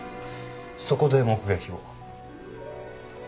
そこで目撃を。